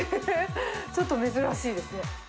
ちょっと珍しいですね。